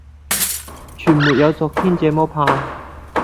全沒有昨天這麼怕，